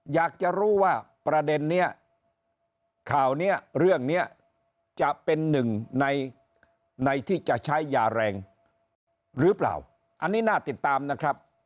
อยากจะรู้ว่าประเด็นนี้ข่าวนี้เรื่องนี้จะเป็นหนึ่งในที่จะใช้ยาแรงหรือเปล่าอันนี้น่าติดตามนะครับ